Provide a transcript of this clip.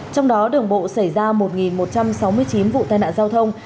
trong đó đường bộ xảy ra một một trăm sáu mươi chín vụ tai nạn giao thông